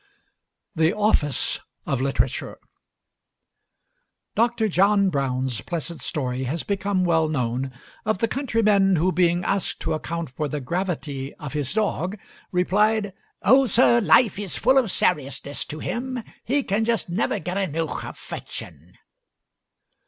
THE OFFICE OF LITERATURE Dr. John Brown's pleasant story has become well known, of the countryman who, being asked to account for the gravity of his dog, replied, "Oh, sir! life is full of sairiousness to him he can just never get eneugh o' fechtin'."